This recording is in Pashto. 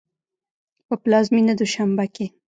په پلازمېنه دوشنبه کې